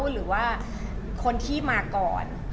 หรือว่าคนที่มาก่อน